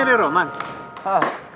merindu banget licu bener lu